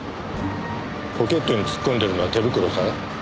ポケットに突っ込んでるのは手袋か？